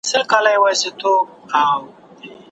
امام احمد رحمه الله وايي، مباح الدم دی،